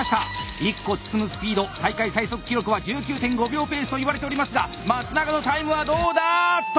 １個包むスピード大会最速記録は１９．５秒ペースといわれておりますが松永のタイムはどうだあっと！